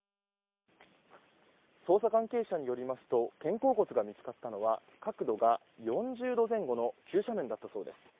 捜査関係者によりますと肩甲骨が見つかったのは角度が４０度前後の急斜面だったそうです。